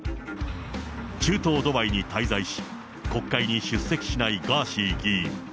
中東ドバイに滞在し、国会に出席しないガーシー議員。